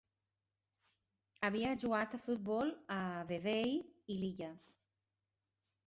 Havia jugat a futbol a Vevey i Lilla.